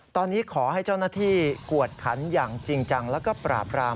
ตอนนี้ขอให้เจ้าหน้าที่กวดขันอย่างจริงจังแล้วก็ปราบราม